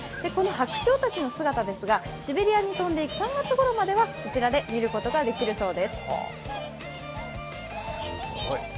白鳥たちの姿ですが、シベリアに飛んでいく３月ごろまではこちらで見ることができるそうです。